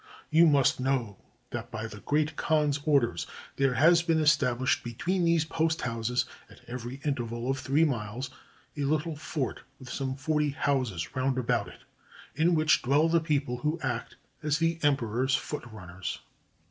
You must know that by the Great Khan's orders there has been established between those post houses, at every interval of three miles, a little fort with some forty houses roundabout it, in which dwell the people who act as the emperor's foot runners.